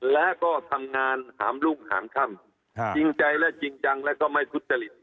และก็ทำงานหามรุ่งหางถ้ำจริงใจและจริงจังและก็ไม่ทุจริต